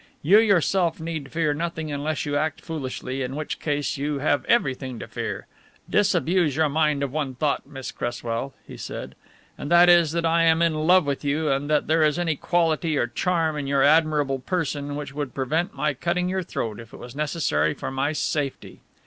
You yourself need fear nothing unless you act foolishly, in which case you have everything to fear. Disabuse your mind of one thought, Miss Cresswell," he said, "and that is that I am in love with you and that there is any quality or charm in your admirable person which would prevent my cutting your throat if it was necessary for my safety.